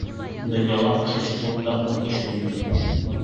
Донъяла ошо секундта ун кеше үлде!